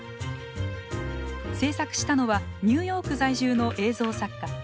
制作したのはニューヨーク在住の映像作家